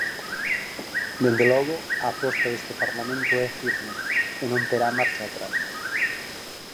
Dende logo, a aposta deste Parlamento é firme, e non terá marcha atrás.